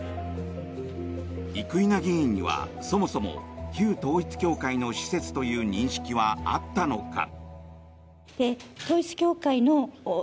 生稲議員にはそもそも旧統一教会の施設という認識はあったのか。